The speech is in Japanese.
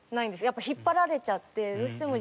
やっぱ引っ張られちゃってどうしても。